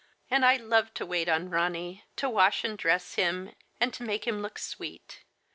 And I love to wait on Ronny — to wash and dress him, and make him look sweet.